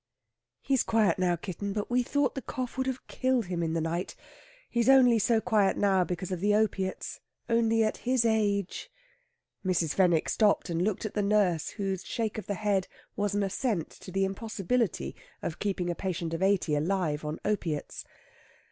"He's quiet now, kitten; but we thought the cough would have killed him in the night. He's only so quiet now because of the opiates. Only at his age " Mrs. Fenwick stopped and looked at the nurse, whose shake of the head was an assent to the impossibility of keeping a patient of eighty alive on opiates.